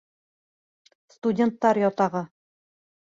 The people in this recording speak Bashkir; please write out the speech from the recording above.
Студенттар ятағы.